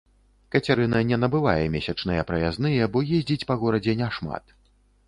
Кацярына не набывае месячныя праязныя, бо ездзіць па горадзе няшмат.